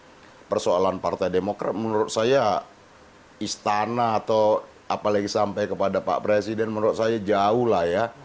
dalam kaitan ini persoalan partai demokrat menurut saya istana atau apalagi sampai kepada pak presiden menurut saya jauh